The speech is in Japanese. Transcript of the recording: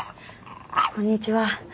こんにちは。